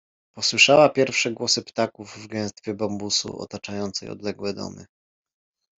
Posłyszała pierwsze głosy ptaków w gęstwie bambusu otaczającej odległe domy.